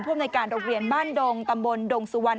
อำนวยการโรงเรียนบ้านดงตำบลดงสุวรรณ